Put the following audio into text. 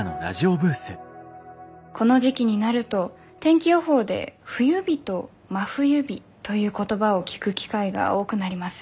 この時期になると天気予報で冬日と真冬日という言葉を聞く機会が多くなります。